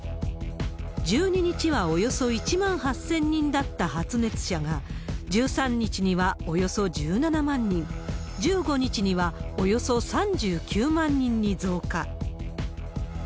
１２日はおよそ１万８０００人だった発熱者が、１３日にはおよそ１７万人、１５日には、およそ３９万人に増加。